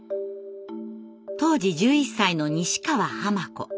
当時１１歳の西川濱子。